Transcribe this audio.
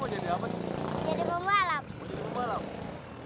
mau jadi pembalap